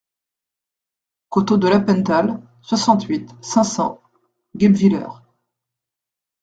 Côteaux de l'Appenthal, soixante-huit, cinq cents Guebwiller